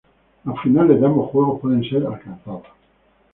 Los finales de ambos juegos pueden ser alcanzados.